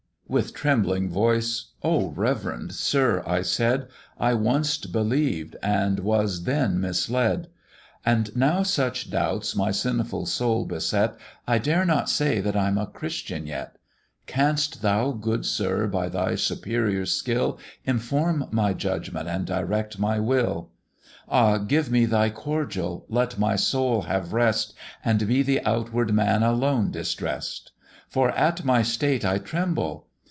"With trembling voice, 'Oh! reverend sir,' I said, 'I once believed, and I was then misled; And now such doubts my sinful soul beset, I dare not say that I'm a Christian yet; Canst thou, good sir, by thy superior skill, Inform my judgment and direct my will? Ah! give thy cordial; let my soul have rest, And be the outward man alone distress'd; For at my state I tremble.'